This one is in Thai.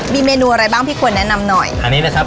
มีเมนูอะไรบ้างพี่ควรแนะนำหน่อยอันนี้นะครับ